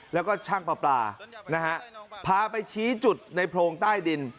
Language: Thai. แล้วก็ช่างปลาปลานะฮะพาไปชี้จุดในโพรงใต้ดิน